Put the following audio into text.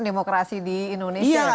demokrasi di indonesia